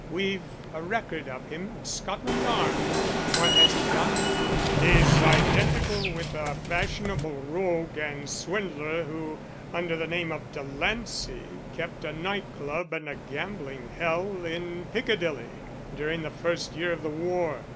We've a record of him at Scotland Yard." "What has he done?" "He's identical with a fashionable rogue and swindler who, under the name of Delancey, kept a night club and a gambling hell in Piccadilly, during the first year of the war.